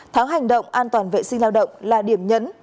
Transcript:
tháng hành động an toàn vệ sinh lao động là điểm nhấn